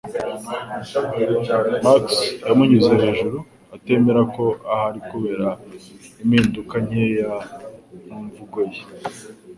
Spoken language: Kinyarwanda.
Max yamunyuze hejuru, atemera ko ahari kubera impinduka nkeya mu mvugo ye